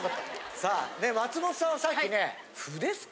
さあ松本さんはさっきね麩ですか？